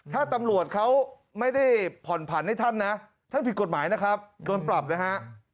ถ้าตำรวจเขาไม่ได้ผ่อนผันให้ท่านนะท่านผิดกฎหมายนะครับโดนปรับนะฮะ